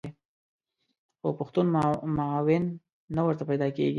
خو پښتون معاون نه ورته پیدا کېږي.